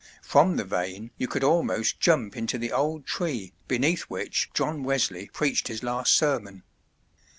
From the vane you could almost jump into the old tree beneath which John Wesley preached his last sermon.